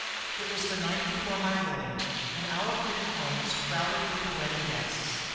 It was the night before my wedding day, and our pretty home was crowded with the wedding guests.